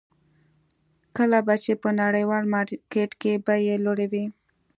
کله به چې په نړیوال مارکېټ کې بیې لوړې وې.